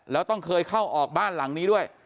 แล้วต้องเคยเข้าออกบ้านหลังนี้ด้วย